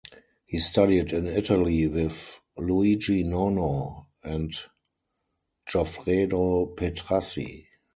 He studied in Italy with Luigi Nono and Goffredo Petrassi.